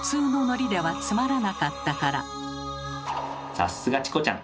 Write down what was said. さっすがチコちゃん！